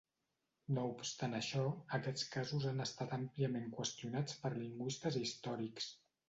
No obstant això, aquests casos han estat àmpliament qüestionats pels lingüistes històrics.